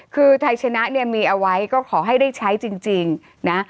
คือไทยชนะเนี่ยมีเอาไว้ก็ขอให้ได้ใช้จริงนะ